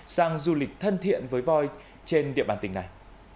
sang du lịch thân thiện với voi trên địa bàn tỉnh này